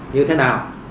như thế nào